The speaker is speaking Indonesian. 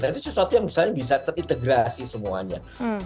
itu sesuatu yang misalnya bisa terintegrasi semuanya